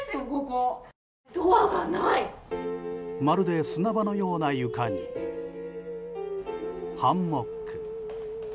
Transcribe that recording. まるで砂場のような床にハンモック。